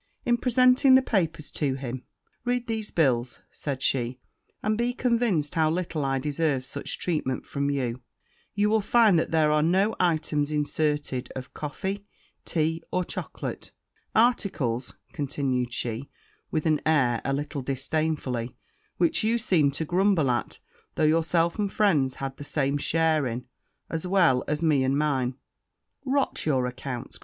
In presenting these papers to him, 'Read these bills,' said she, 'and be convinced how little I deserve such treatment from you: you will find that there are no items inserted of coffee, tea, or chocolate; articles,' continued she, with an air a little disdainfully, 'which you seemed to grumble at, though yourself and friends had the same share in, as well as me and mine.' 'Rot your accounts!'